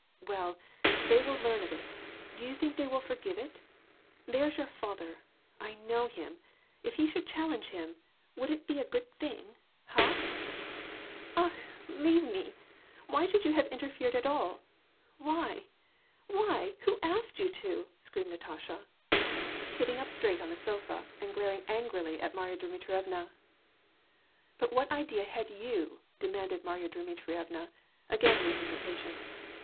"Well, they will learn of it ; do you think they will forgive it ? There's your father, I know him, if he should challenge him, would it be a good thing ? Ha ?"" Akh ! leave me ! why should you have interfered at all ? Why ? Why ? Who asked you to ?" screamed Natasha^ War and pteAce. 877 Bitting tip straight on the sofa, and glaring angrily at Marya Dmitrievna. " But what idea had you ?" demanded Marya Dmitrievna, again losing her patience.